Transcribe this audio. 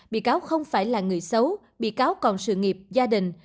bị cáo không phải là người xấu bị cáo còn sự nghiệp gia đình